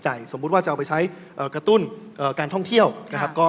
ใส่ไส็บูดว่าเจ้าไปใช้กระตุ้นการท่องเที่ยวก็